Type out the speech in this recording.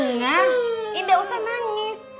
bunga indah usah nangis